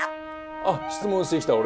あっ質問してきた俺に。